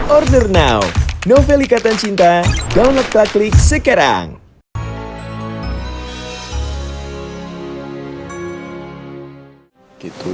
order now novel ikatan cinta download plaklik sekarang